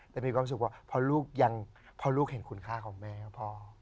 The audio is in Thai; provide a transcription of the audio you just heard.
แต่มีความสุขเพราะลูกยังเพราะลูกเห็นคุณค่าของแม่พ่อ